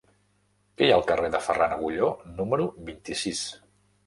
Què hi ha al carrer de Ferran Agulló número vint-i-sis?